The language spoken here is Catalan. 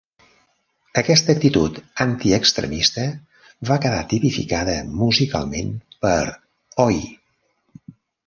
Aquesta actitud antiextremista va quedar tipificada musicalment per "Oi!".